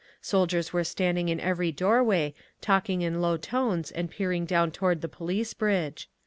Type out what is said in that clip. Soldiers were standing in every doorway talking in low tones and peering down toward the Police Bridge.